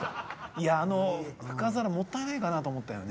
いやあの深皿もったいないかなと思ったんよね。